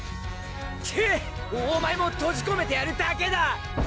クッお前もとじこめてやるだけだ！